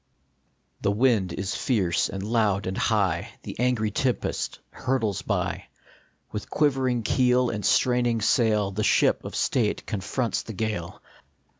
HE wind is fierce and loud and high, The angry tempest hurtles by ; With quivering keel and straining sail The ship of State confronts the gale.